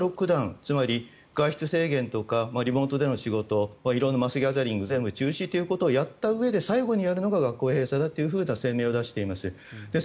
つまり外出制限とかリモートでの仕事マスギャザリング全部中止ということを全部やったうえで最後にやるのが一斉休校だという声明を出しています。